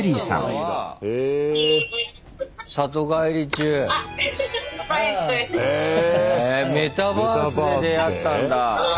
へえメタバースで出会ったんだ。